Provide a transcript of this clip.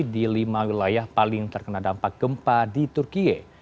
di lima wilayah paling terkena dampak gempa di turkiye